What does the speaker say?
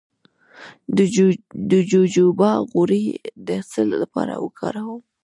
د جوجوبا غوړي د څه لپاره وکاروم؟